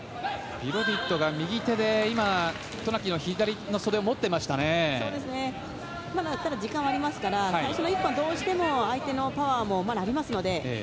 ビロディッドが右手で渡名喜の左の袖をまだ時間はありますからどうしても相手のパワーもまだありますので。